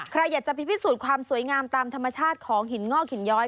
ใครอยากจะไปพิสูจน์ความสวยงามตามธรรมชาติของหินงอกหินย้อย